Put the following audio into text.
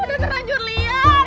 udah terlanjur liat